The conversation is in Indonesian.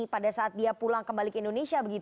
pada saat dia pulang kembali ke indonesia